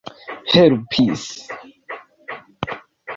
helpis